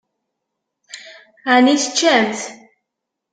Ɛni teččamt?